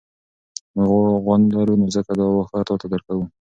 موږ غوا نه لرو نو ځکه دا واښه تاته درکوو.